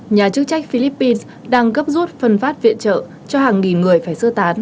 nhà chức trách philippines đang gấp rút phân phát viện trợ cho hàng nghìn người phải sơ tán